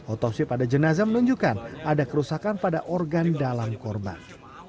otopsi pada jenazah menunjukkan ada kerusakan pada organ dalam korban